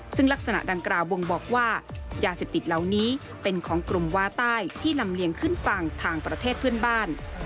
ซึ่งลักษณะดังกล่าวบ่งบอกว่ายาเสพติดเหล่านี้เป็นของกลุ่มวาใต้ที่ลำเลียงขึ้นฝั่งทางประเทศเพื่อนบ้าน